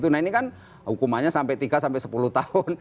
nah ini kan hukumannya sampai tiga sampai sepuluh tahun